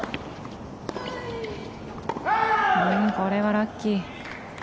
これはラッキー。